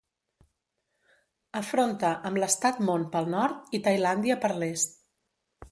Afronta amb l'estat Mon pel nord i Tailàndia per l'est.